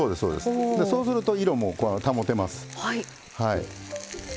そうすると、色も保てます。